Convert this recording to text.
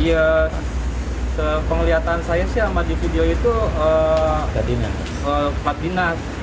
ya penglihatan saya sih amat di video itu plat dinas